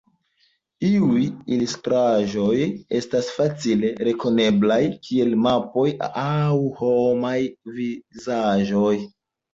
Iuj ilustraĵoj estas facile rekoneblaj, kiel mapoj aŭ homaj vizaĝoj.